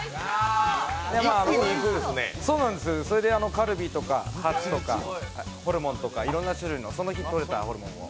カルビとか、ハツとか、ホルモンとか、いろんな種類のその日とれたホルモンを。